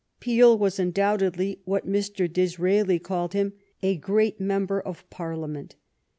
Peel was undoubtedly, what Mr. Disraeli called him, a "great member of Parliament."